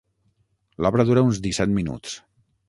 L'obra dura uns disset minuts.